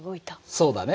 そうだね。